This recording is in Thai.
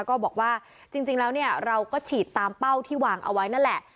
ก็บอกว่าจริงแล้วเนี่ยเราก็ฉีดตามเป้าที่วางเอาไว้นั่นแหละ